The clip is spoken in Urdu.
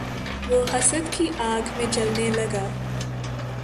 وہ حسد کی آگ میں جلنے لگا